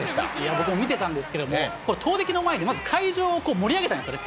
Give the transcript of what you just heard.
僕も見てたんですけれども、これ、投てきの前に、会場を盛り上げたんですよね。